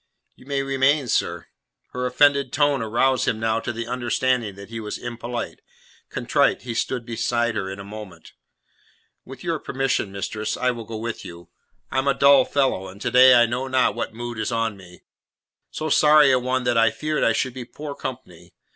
"You may remain, sir." Her offended tone aroused him now to the understanding that he was impolite. Contrite he stood beside her in a moment. "With your permission, mistress, I will go with you. I am a dull fellow, and to day I know not what mood is on me. So sorry a one that I feared I should be poor company.